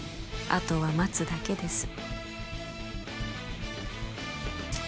あとは待つだけです